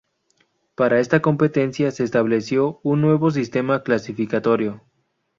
Para esta competencia se estableció un nuevo sistema clasificatorio.